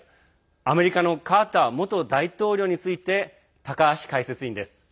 アメリカのカーター元大統領について高橋解説委員です。